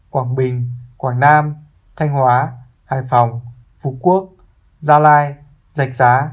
quảng bình quảng nam thanh hóa hải phòng phú quốc gia lai giạch giá